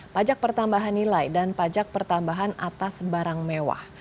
pajak pertambahan nilai dan pajak pertambahan atas barang mewah